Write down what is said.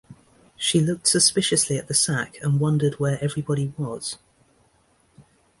She looked suspiciously at the sack and wondered where everybody was?